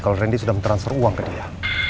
kalau randy sudah mentransfer uang ke dia